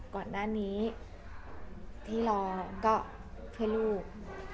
จางก่อนด้านนี้ที่รอก็เพื่อลูก